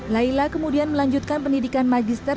laila kemudian melanjutkan pendidikan magister